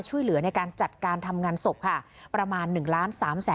ช่วยเหลือในการจัดการทำงานศพค่ะประมาณ๑๓๑๑๐๐๐บาทค่ะ